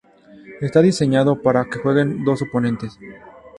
Está diseñado para que jueguen dos oponentes.